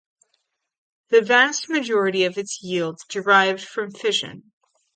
The vast majority of its yield derived from fission.